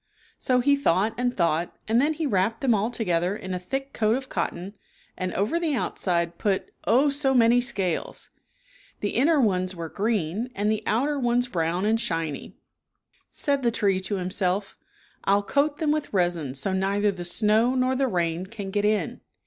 So he thought and thought, and then he wrapped them all together in a thick coat of cotton and over the outside put, oh, so many scales ! The inner ones were green, and the outer ones brown and shiny. 39 Said the tree to himself, " I'll coat them with resin so neither the snow nor the rain can get in."